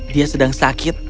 dia sedang sakit